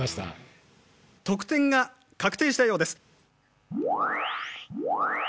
得点が確定したようです。